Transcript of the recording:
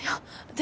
で